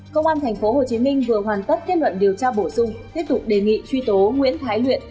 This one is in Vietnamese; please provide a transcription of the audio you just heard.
công an tp hcm vừa hoàn tất kết luận điều tra bổ sung tiếp tục đề nghị truy tố nguyễn thái luyện